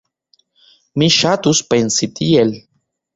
Mi ŝatus pensi tiel.